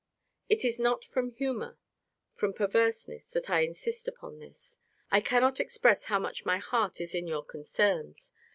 It is not from humour, from perverseness, that I insist upon this. I cannot express how much my heart is in your concerns.